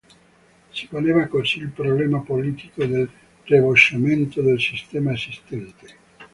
Si poneva così il problema politico del rovesciamento del sistema esistente.